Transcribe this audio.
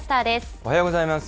おはようございます。